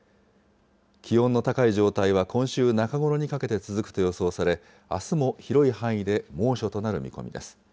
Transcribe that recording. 気温の高い状態は今週中ごろにかけて続くと予想され、あすも広い範囲で猛暑となる見込みです。